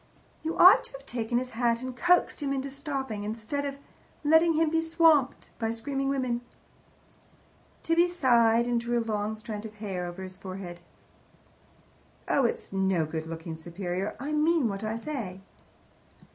You ought to have taken his hat and coaxed him into stopping, instead of letting him be swamped by screaming women." Tibby sighed, and drew a long strand of hair over his forehead. "Oh, it's no good looking superior. I mean what I say."